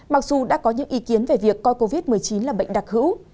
mặc dù đã có những ý kiến về việc coi covid một mươi chín là bệnh đặc hữu